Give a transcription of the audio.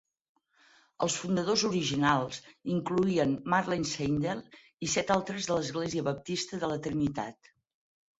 Els fundadors originals incloïen Marlene Seidel i set altres de l'Església Baptista de la Trinitat.